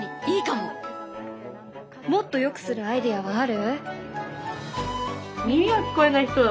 もっとよくするアイデアはある？